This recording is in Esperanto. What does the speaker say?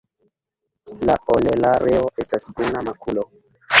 La orelareo estas bruna makulo.